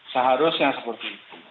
seharusnya seperti itu